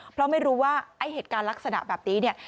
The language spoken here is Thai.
เพราะไม่รู้ว่าเหตุการณ์ลักษณะแบบนี้